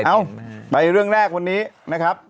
เอ้าไปเรื่องแรกวันนี้นะครับ